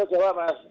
di pulau jawa mas